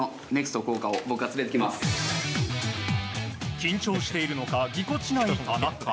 緊張しているのかぎこちない、田中。